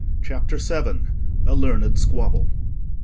CHAPTER VII. A Learned Squabble.